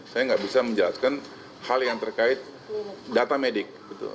saya nggak bisa menjelaskan hal yang terkait data medik